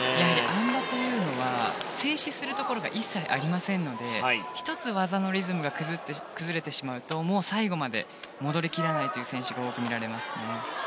あん馬というのは静止するところが一切ありませんので、１つ技のリズムが崩れてしまうと最後まで戻り切れないという選手が多く見られますね。